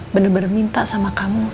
bener bener minta sama kamu